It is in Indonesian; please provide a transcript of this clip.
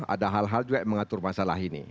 ada hal hal juga yang mengatur masalah ini